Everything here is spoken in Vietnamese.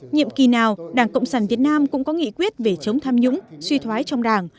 nhiệm kỳ nào đảng cộng sản việt nam cũng có nghị quyết về chống tham nhũng suy thoái trong đảng